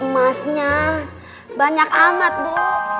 emasnya banyak amat bu